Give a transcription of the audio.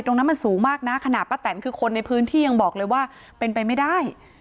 ตรงนั้นมันสูงมากนะขณะป้าแตนคือคนในพื้นที่ยังบอกเลยว่าเป็นไปไม่ได้